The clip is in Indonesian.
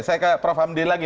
saya ke prof hamdi lagi